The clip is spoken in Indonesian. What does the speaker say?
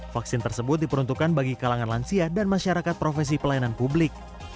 vaksin tersebut diperuntukkan bagi kalangan lansia dan masyarakat profesi pelayanan publik